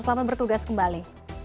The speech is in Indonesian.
selamat bertugas kembali